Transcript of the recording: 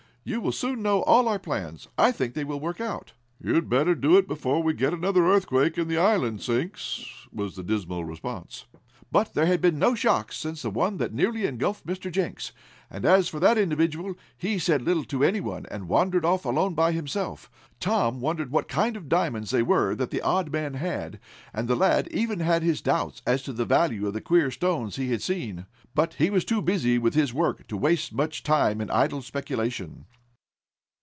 "You will soon know all our plans. I think they will work out." "You'd better do it before we get another earthquake, and the island sinks," was the dismal response. But there had been no shocks since the one that nearly engulfed Mr. Jenks. As for that individual he said little to any one, and wandered off alone by himself. Tom wondered what kind of diamonds they were that the odd man had, and the lad even had his doubts as to the value of the queer stones he had seen. But he was too busy with his work to waste much time in idle speculation.